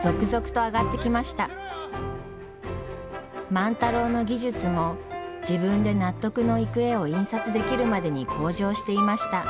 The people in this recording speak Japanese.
万太郎の技術も自分で納得のいく絵を印刷できるまでに向上していました。